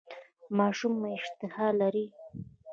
ماشوم مو اشتها لري؟